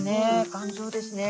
頑丈ですね。